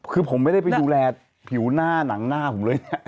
คือผมไม่ได้ไปดูแลผิวหน้าหนังหน้าผมเลยเนี่ย